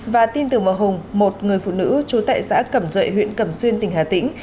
và tin tưởng vào hùng một người phụ nữ trú tại xã cẩm duệ huyện cẩm xuyên tỉnh hà tĩnh